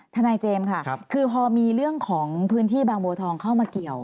ทนายเจมส์ค่ะคือพอมีเรื่องของพื้นที่บางบัวทองเข้ามาเกี่ยว